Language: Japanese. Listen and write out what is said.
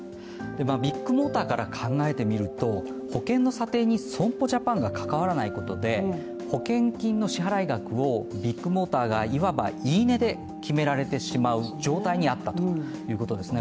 ビッグモーターから考えてみると保険の査定に損保ジャパンが関わらないことで保険金の支払額をビッグモーターがいわば言い値で決められてしまうという状態にあったということですね。